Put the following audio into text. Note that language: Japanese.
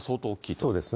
そうですね。